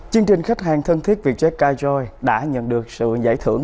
chương trình khách hàng thân thiết vietjet kyjoy đã nhận được sự giải thưởng